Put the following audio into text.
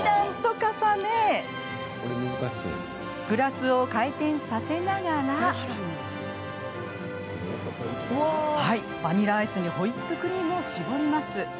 グラスを回転させながらバニラアイスにホイップクリームを絞ります。